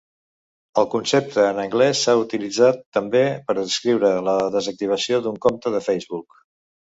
El concepte en anglès s'ha utilitzat també per descriure la desactivació d'un compte de Facebook.